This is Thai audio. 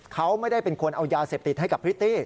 เขาไม่ได้เป็นคนเอายาเสพติดให้กับพริตตี้